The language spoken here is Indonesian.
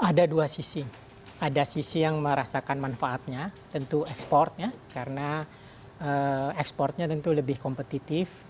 ada dua sisi ada sisi yang merasakan manfaatnya tentu ekspornya karena ekspornya tentu lebih kompetitif